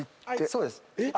そうです。